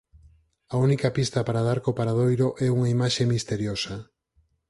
A única pista para dar co paradoiro é unha imaxe misteriosa.